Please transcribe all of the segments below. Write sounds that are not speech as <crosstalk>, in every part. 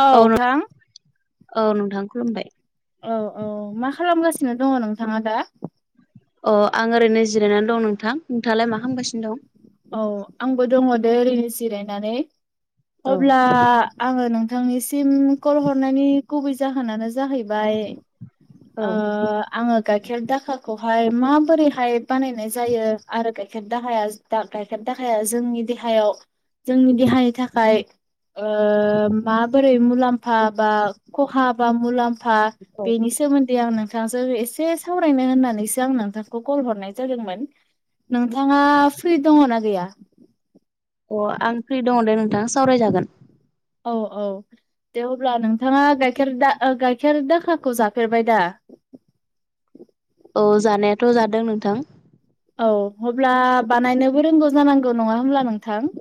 औ थां औ नोंथां खुलुमबाय औ औ मा खालामगासिनो दङ नोंथाङा दा? अ आं ओरैनो जिरायनानै दं नोंथां नोंथाङालाय मा खामगासिनो दं? औ आंबो दं दो ओरैनो जिरायनानै अब्ला आङो नोंथांनिसिम कल हरनायनि गुबै जाहोनानो जाहैबाय ओ औ आङो गाइखेर दाखाखौहाय माबोरैहाय बानायनाय जायो आरो गाइखेर दाहाया दा गाइखेर दाखाया जोंनि देहायाव जोंनि देहानि थाखाय ओ माबोरै मुलाम्फा बा खहा बा मुलाम्फ फा औ बेनि सोमोन्दै आं नों थांजों एसे सावरायनो होननानैसो आं नोंथांखौ कल हरनाय जादोंमोन। नोंथाङा फ्रि दङना गैया? अ आं फ्रि दङ दे नोंथाङा सावरायजागोन औ औ दे अब्ला नोंथाङा गाइखेर द गाइखेर दाखाखौ जाफेरबाय दा? औ जानायाथ' जादों नोंथां औ अब्ला बानायनोबो रोंगौ जानांगौ नङा होमब्ला नोंथां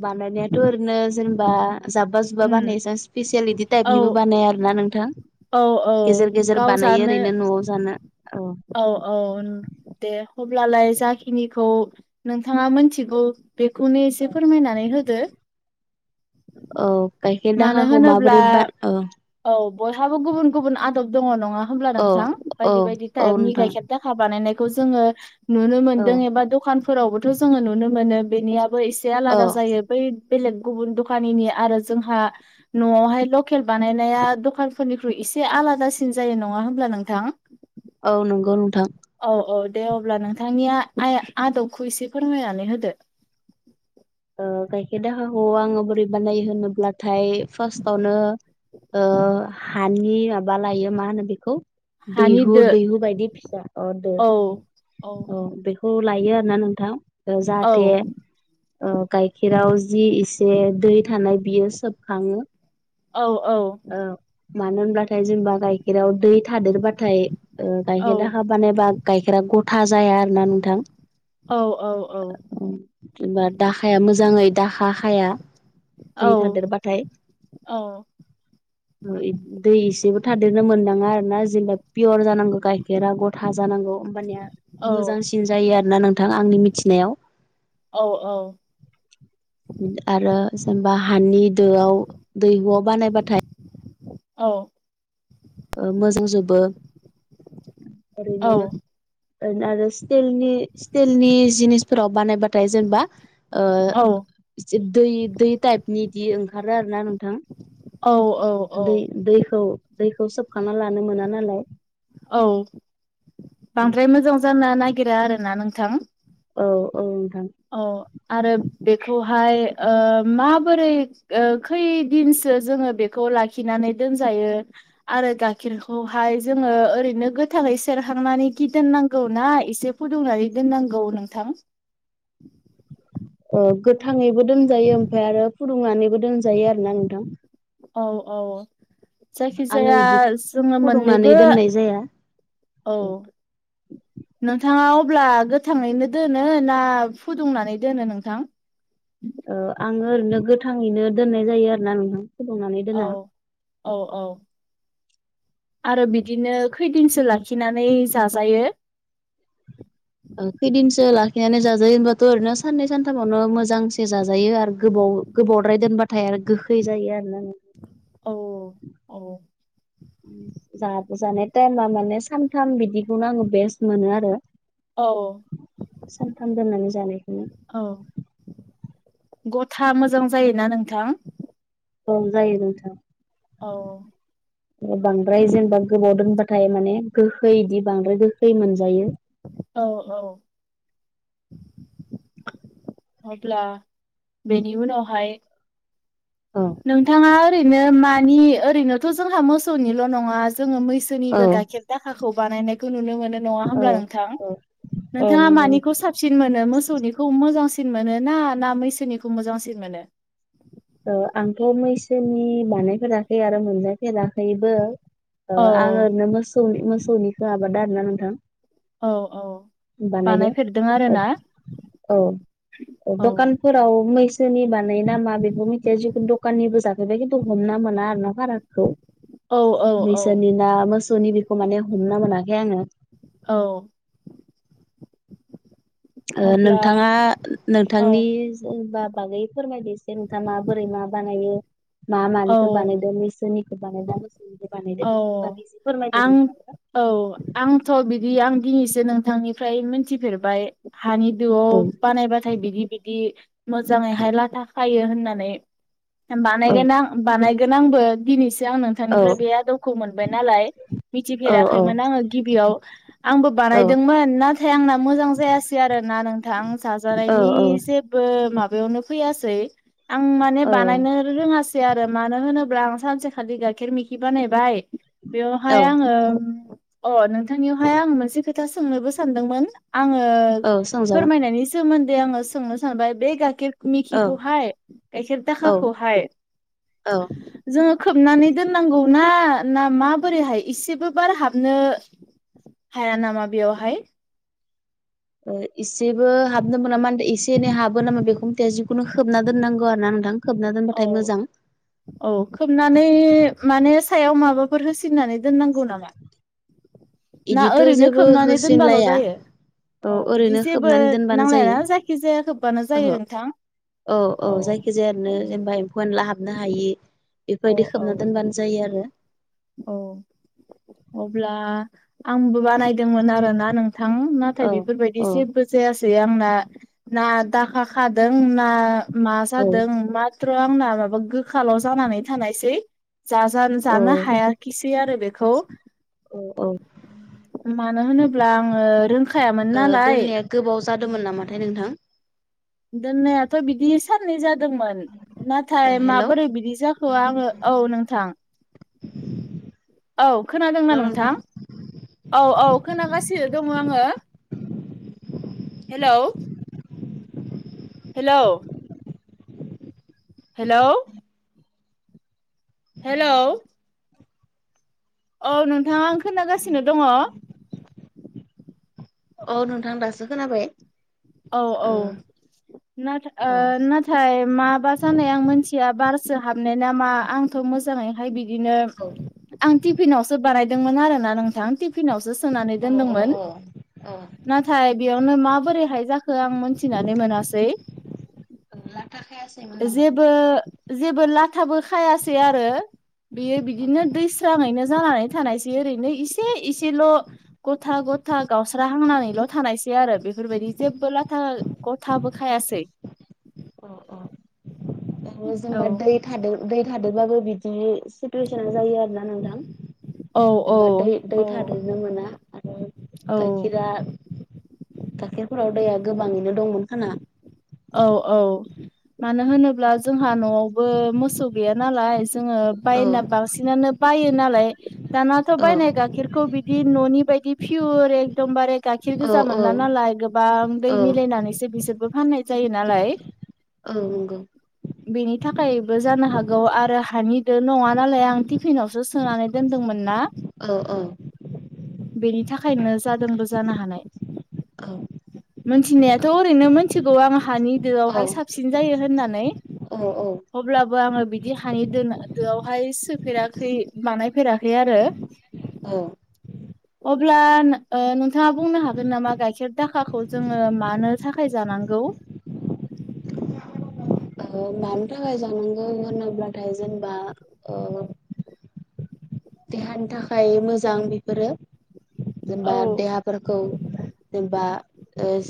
बानायनायाथ' ओरैनो जेनेबा जाब्बा जुब्बा उम बानायो जास स्पेसियेल औ टाइपनिबो बानाया आरो नोंथां थां औ औ गेजेर गेजेर गाव बानायो जानो ओरैनो न'आव जानो औ औ औ दे हब्लालाय जाखिनिखौ नोंथाङा मोनथिगौ बेखौनो एसे फोरमायनानै होदो औ गायखेर मानो दाखाखौ होनोब्ला माबोरै बा ओ औ बयहाबो गुबुन गुबुन आदब दङ नङा होमब्ला औ नोंथां औ बायदि बायदि औ टाइपनि नोंथां गाइखेर दा खा जोङो नुनो औ मोनदों एबा दखान फोरावबोथ' जोङो नुनो मोनो बेनियाबो एसे औ आलादा जायो बै बेलेग गुबुन द खानिनि आरो जोंहा न'आवहाय लकेल बानायनाया दखानफोरनिख्रुइ एसे आलादासिन जायो नङा होनब्ला नोंथां? औ नंगौ नोंथां औ औ दे अब्ला नोंथांनिया आया आदबखौ एसे फोरमायनानै होदो गाइखेर दाखाखौ आङो बोरै बानायो होनोब्लाथाय फार्स्टावनो हानि माबा लायो मा होनो बेखौ हानि दैहु दो दैहु बायदि फिसा अ दो औ औ अ दैहु हु लायो आरो ना नोंथां औ जाहाथे गाइखेराव जि एसे दै थानाय बियो सोबखाङो औ औ औ मानो होनब्लाथाय जेनबा गाइखेराव दै थादेरबाथाय औ गाइखेरा हाब बानायबा गाइखेरा गथा जाया आरोना नोंथां औ औ औ जेनेबा दाखाया मोजाङै दाखा खाया औ दै थादेरबाथाय औ मै दै एसेबो थादेरनो मोननाङा आरो ना जेब्ला पियर जानांगौ गाइखेरा गथा जानांगौ कम्पानिया औ मोजांसिन जायो आरोोना नोंथां आंनि मिथिनायाव औ औ आरो जेनेबा हानि दोआव दैहुआव बानायबाथाय औ मोजां जबो ओरैनोओरै आरो स्टिलनि स्टिलनि जिनिसफोराव बानायबाथाय जेनेबा से दै दै टाइपनि बिदि ओंखारो आरो ना नोंथां औ औ औ दै दैखौ दैखौ सोबखांना लानो मोना नालाय औ बांद्राय मोजां जानो नागिरा आरो ना नोंथां औ औ नोंथां औ आरो बेखौहाय माबोरै खैदिनसो जोङो बेखौ लाखिनानै दोनजायो आरो गाइखेरखौहाय जोङो ओरैनो गोथाङै सेरखांनानै गिदोननांगौ ना एसे फुदुंनानै दोननांगौ नोंथां गोथाङैबो दोनजायो ओमफ्राय आरो फुदुंनानैबो दोनजायो आरोना नोंथां औ औ आङो जायखिजाया इदि जोङो फुदुंनानै मोननैबो दोननाय जाया औ ओ नोंथाङा अब्ला गोथाङैनो दोनो ना फुदुंनानै दोनो नोंथां औ आङो ओरैनो गोथाङैनो दोननाय जायो आरो ना नोंनो दंनानै औ औ औ आरो बिदिनो खैदिनसो लाखिनानै जाजायो खैदिनसो लाखिनानै जाजायो होनबाथ' ओरैनो साननै सानथामावनो मोजांसे जाजायो आरो गोबाव गोबावद्राय दोनबाथाय आरो गोखै जायो आरो न आ औ औ जाब जानाय टाइमा माने सानथाम बिदिखौनो आङो बेस्ट मोनो आरो औ सानथाम दोननानै जानायखौ औ गथा मोजां जायोना नोंथां ओं जायो नोंथां औ बांद्राय जेनेबा गोबाव दोनबाथाय माने गोखै बिदि बांद्राय गोखै मोनजायो औ औ अब्ला बेनि उनावहाय औ नोंथाङा ओरैनो मानि ओरैनोथ' जोंहा मोसौनिल' नङा जोङो मैसो औ जनिबो गाइखेर दाखाखौ बानायनाय नुनो मोन ना होन औ नोंथां औ औ नोंथाङा नंगौ मानिखौ स साबसिन मोनो मोसौनिखौ मोजांसिन मोनो ना ना मैसोनिखौ मोजांसिन मोनो आंथ' मैसोनि बानायफेराखै आरो मोनजाफेराखैबो औ आं ओरैनो मोसौनि मोसौनिखौ आबाद आर ना नोंथां औ औ बानाय बानायफेरदों आरो ना औ औ औ दखान फोराव मैसोनि बानाय नाामा बे आोंबो मिथिया जिखुनु दखाननिबो जफैबाय खिन्थु हमना मोना आरो ना भाराखौ औ औ औ बैसोनि ना मोसौनि बेखौ माने हमना मोनाखै आङो औ अब्ला नोंथाङा औ नोंथांनि जेनबा बागै फोरमायदोस नोंथाङां म बोरै मा बानायो मा औ मानिखौ बानायदों मसोरनि नाय द मानाय बिनि औ बाख आं फोरमायदों औ आंथ' बिदि आं दिनैसो नोंथांनिफ्राय मिथिफेरबाय हानि दोआव बानायबाथाय बिदिदि बिदि मोजाङैहाय लाथा खायो होननानै औ बानायगोन आं बानायगोन आंबो दिनैसो आं औ नोंथांनिफ्राय बे आ दबखौ मोनबाय नालाय औ औ मिथिफेराखैमोन आङो गिबियाव आंबो औ बानायदोंमोन नाथाय आंना मोजां जायासै आरोना नोंथां आ औ साजानायनि जसे ओ माबायावनो फैैआ सोय माने औ बानायनो रोङासै आरो मानो होनोब्ला आं सानसेखालि गाइखेर मेखि बानायबाय बेवहाय औ आङो अ नोंथांनियावहाय आं मोनसे खोथा सोंनोबो सानदोंमोन आङो औ सोंजागोन फोरमायनायनि सोमोन्दै आङो सोंनो सानबाय बे गाइखेर औ मिखिखौहाय गाइखेर औ दाखाखौहाय औ जोङो खोबनानै दोननांगौ ना ना माबोरैहाय इसेबो बार हाबनो हाया नामा बेयावहाय इसेबो हाबनो मोननामा होन एसे एनै हाबो नामा बेखौ मिथायया जिखुनु होबना दोननांगौ आरो ना नोंथां खोबना औ दोनबाथाय मोजां औ खोबनानै माने सायाव माबाफोर होसिननानै दोननांगौ नामा ना बिदिथ' ओरैनो जेबो खोबनानै दोनबाल' होसिनलाया जायो औ बिदि ओरैनो जेबो होबनानै दोनबानो जायो नांलायाना जायखि जाया खोबबानो जायो ओहो नोंथां औ औ जायखिजाया नो औ जेनेबा एम्फौ एनला हाबनो हायि औ बेफोरबायदि औ खोबना औ दोनबानो जायो आरो औ अब्ला आंबो बानायदोंमोन आरोना नों थाङो नाथाय औ बेफोरबायदि औ एसे जायासै आंना ना दाखा खादों ना मा जादों मा फ्रो आंना माबा गोखाल' जानानै थानायसै औ जानो हायाखिसै आरो बेखौ औ औ ओ मानो होनोब्ला आङो रोंखायामोन नालाय दोननाया गोबाव जादोंमोन नामाथाय नोंथां दोननायाथ' बिदि साननै जादोंमोन ओ नाथाय हेलौ माबोरै बिदि जाखो आङो औ नोंथां औ खोनादोंना नोंथां औ औ खोनागासिनो दङ आङो हेलौ हेल' हेल' हेल' औ नोंथाङा खोनागासिनो दङ औ नोंथां दासो खोनाबाय औ ओ औ ना औ ना थाय माबा जानाय आं मिथिया बारसो हाबनाय नामा आंथ' मोजाङैहाय बिदिनो औ आं टिफिनावसो बानायदोंमोन आरो ना नोंथां टि फिनावसो सोनानै दोनदोंमोन नाथाय बेयावनो माबोरैहाय जा खो आं मिथिनानै मोननासै जेब बो जेबो ला थाबो खायासै आरो बेयो बिदिनो दैस्राङैनो जानानै थानायसै ओरैनो इसे एसेल' गथा गथा गावस्रा हांनानैल' थानायसै आरो बेफोरबायदि जेबबो लाथा गथाबो खाय आसै अ अ अराव औ संबाथाय <unintelligible> दै थादोंबाबो <unintelligible> दै थादबाबो बिदि सिथुवेसना जायो आरोोना नोंथां औ औ जेनेबा दै - दै औ थादेरनो मोना आरो औ गाइखेरा गाइखेरफोराव दैया गोबाङैनो दंमोन खाना औ औ मानो होनोब्ला जोंहा न'आवबो मोसौ गैया नालाय जोङो औ बायना बांसिनानो बायो नालाय दानाथ' औ बायनाय गाइखेर बिदि न'नि बायदि फियुर एकदमबार गाइखेर औ गोजा औ मोनला नालाय गोबां दै औ मिलायनानैसो बिसोरबो फाननाय जायो नालाय औग <inaudible> बेनि थाखायबो जानो हागौ आरो हानिदो नङा नालाय आं टिफिनावसो सोनानै दोनदोंमोन ना औ -औ बेनि थाखायनो जादोंबो जानो हानाय मोनथिनायाथ' ओरैनो मोनथिगौ आं औ हानिदोआवहाय साबसिन जायो होननानै औ औ अब्लाबो आङो बिदि हानि दोन दोआवहाय सोफेराखै बानायफेराखै आरो अ <inaudible> अब्ला नोंथाङा बुंनो हागोन नामा गाइखेर दाखाखौ जोङो मानो थाखाय जानांगौ <inaudible> मानि थाखाय जनांगौ होनोब्लाथाय जेनेबा देहानि थाखाय मोजां बेफोरो जेनेबा औ देहाफोरखौ जेनेबा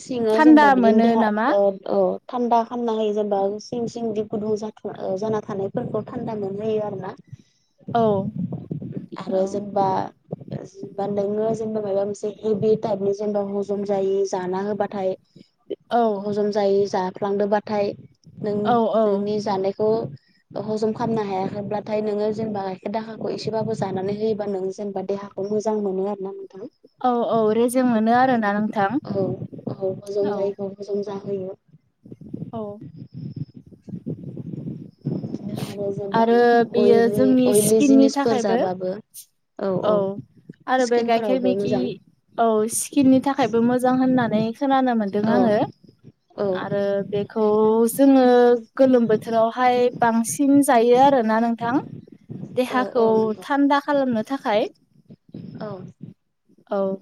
सिङाव थान्दा जेनेबा मोनो बिदिनो नामा द थान्दा खामना होायो जेनेबा सिं सिं दि गुदुं ज जाना थानायफोरखौ थान्दा मोनजायो आरो ना औ आरो औ जेनेबा बा नोङो जेनेबा माबा मोनसे हेबि टाइपनि जेनेबा हजम जायो जाना होबाथाय औ जम जायै जाफ्लांदोंबाथाय नों औ औ नोंनि जानायखौ हजम खालामनो हायाखैब्लाथाय नोङो जेनेबा गाइखेर दाखाखौ एसे थबाबो जानानै होयोबा नों जेनेबा देहाखौ मोजां मोनो आरोना नोंथां औ - औ रेजे मोनो आरोोना नों औ औ हजम जायोब हजम जाहोयो औ बिदिनो आरो जेनेबा आरो बेयो अइलि जोंनि अइलि स्किननि जिनिसफोर थाखायबो जाबाबो औ आरो बे गाइखेर स्किनफोरावबो मखि मोजां औ स्किननि थाखायबो मोजां होननानै खोनानो मोनदों औ आङो औ आरो बे खौ जोङो गोलोम बोथोरावहाय बांसिन जायो आरोना नोंथां औ देहाखौ औ नंगौ थान्दा खालामनो थाखाय औ औ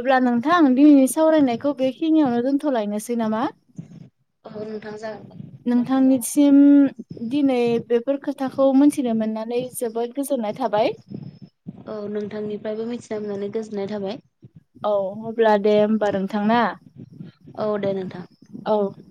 अब्ला नोंथां दिनैनि सावरायनायखौ बेखिनियावनो दोन्थ'लायनोसै नामा औ नोंथां जागोन नोंथांनिसिम दिनै बे बे फोर खोथाखौ मोनथिनो मोननानै जोबोद गोजोननाय थाबाय औ नोंथांनिफ्रायबो मिथिना मोननानै गोजोननाय थाबाय औ अब्ला दे होमबा नोंथांा औ दे नोंथां औ